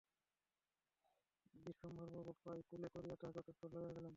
বিশ্বম্ভরবাবু প্রায় কোলে করিয়া তাহাকে অন্তঃপুরে লইয়া গেলেন।